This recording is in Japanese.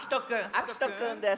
あきとくんです。